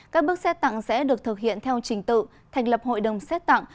các bước xét tặng sẽ được thực hiện theo trình tự thành lập hội đồng xét tặng